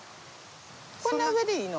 こんな上でいいの？